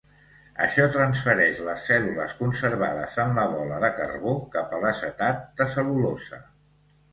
Això transfereix les cèl·lules conservades en la bola de carbó cap a l'acetat de cel·lulosa.